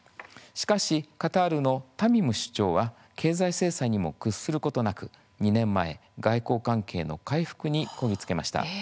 しかし、カタールのタミム首長は経済制裁にも屈することなく２年前、外交関係の回復にこぎ着けました。